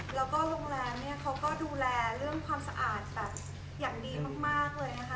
แล้วก็โรงแรมเนี่ยเขาก็ดูแลเรื่องความสะอาดแบบอย่างดีมากเลยนะคะ